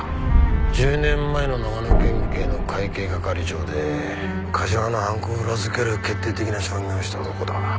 １０年前の長野県警の会計係長で梶間の犯行を裏付ける決定的な証言をした男だ。